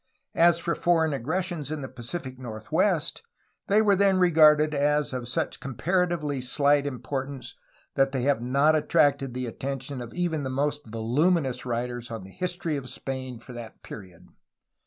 As for foreign aggressions in the Pacific northwest they were then regarded as of such comparatively slight importance that they have not attracted the attention of even the most voluminous writers on the history of Spain for that period.